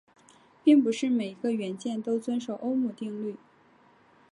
并不是每一种元件都遵守欧姆定律。